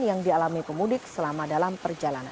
yang dialami pemudik selama dalam perjalanan